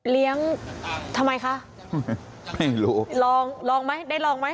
ทำไมคะไม่รู้ลองลองไหมได้ลองไหม